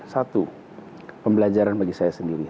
satu pembelajaran bagi saya sendiri